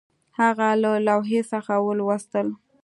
هغه له لوحې څخه ولوستل